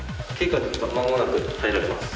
間もなく入られます・